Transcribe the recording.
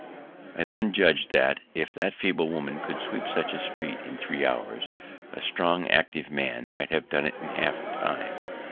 I then judg'd that, if that feeble woman could sweep such a street in three hours, a strong, active man might have done it in half the time.